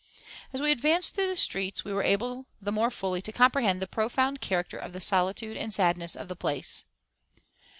As we advanced through the streets we were able the more fully to comprehend the profound character of the solitude and sadness of the place.